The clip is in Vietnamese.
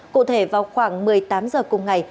cụ thể vào khoảng một mươi tám giờ cùng ngày